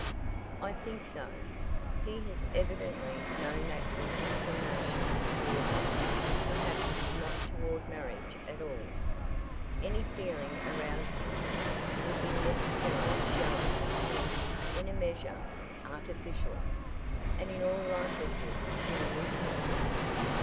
"I think so. He has evidently no natural inclination toward her perhaps not toward marriage at all. Any feeling aroused in him would be necessarily shallow and, in a measure, artificial, and in all likelihood purely temporary.